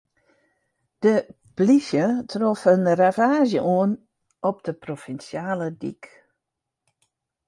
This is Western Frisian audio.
De polysje trof in ravaazje oan op de provinsjale dyk.